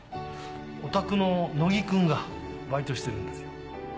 おたくの乃木君がバイトしてるんですよ。